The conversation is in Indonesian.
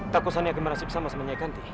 takut sani akan merasik sama sanya kanti